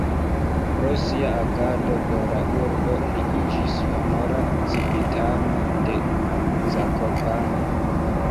Pro sia agado por la urbo li iĝis honora civitano de Zakopane.